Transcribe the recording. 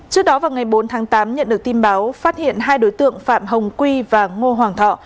trước đó vào ngày bốn tháng tám nhận được tin báo phát hiện hai đối tượng phạm hồng quy và ngô hoàng thọ